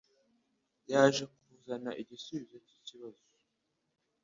yaje kuzana igisubizo cyikibazo